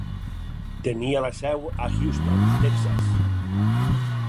Tenia la seu a Houston, Texas.